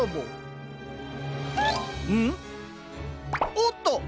おっと！